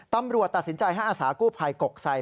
ตำรวจตัดสินใจให้อาสากู้ภัยกกไซ